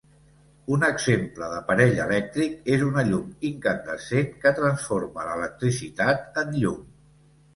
Un exemple d'aparell elèctric és una llum incandescent que transforma l'electricitat en llum.